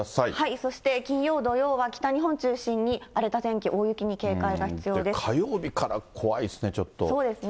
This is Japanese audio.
そして、金曜、土曜は北日本中心に荒れた天気、大雪に警戒が火曜日から怖いですね、ちょそうですね。